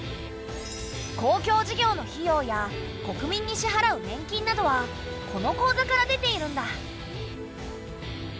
公共事業の費用や国民に支払う年金などはこの口座から出ているんだ。